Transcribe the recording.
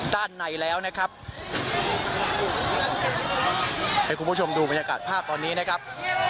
ด้านในแล้วนะครับให้คุณผู้ชมดูบรรยากาศภาพตอนนี้นะครับ